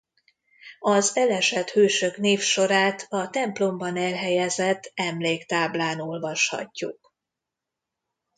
Az elesett hősök névsorát a templomban elhelyezett emléktáblán olvashatjuk.